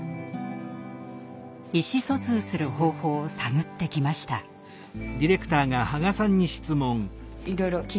意思疎通する方法を探ってきました。ＯＫ。